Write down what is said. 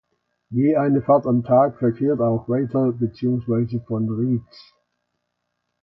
Je eine Fahrt am Tag verkehrt auch weiter beziehungsweise von Rietz.